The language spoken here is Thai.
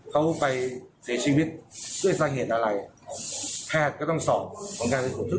เขาไปเสียชีวิตด้วยสาเหตุอะไรแพทย์ก็ต้องสอบของการทดสอบ